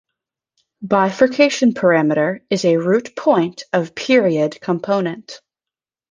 Bifurcation parameter is a root point of period- component.